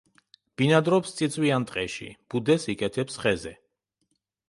ბინადრობს წიწვიან ტყეში, ბუდეს იკეთებს ხეზე.